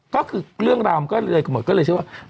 ก็คือเรื่องราวก็เลยหมดก็เลยเชื่อว่า